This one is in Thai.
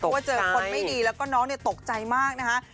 เพราะว่าเจอคนไม่ดีแล้วก็น้องตกใจมากนะคะ